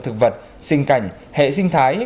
thực vật sinh cảnh hệ sinh thái